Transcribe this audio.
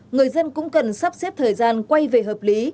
người dân cũng cần sắp xếp thời gian quay về hợp lý